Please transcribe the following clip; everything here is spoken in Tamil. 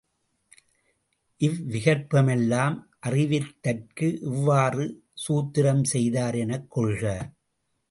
இவ்விகற்பமெல்லாம் அறிவித்தற்கு இவ்வாறு சூத்திரம் செய்தார் எனக் கொள்க.